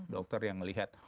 dokter yang melihat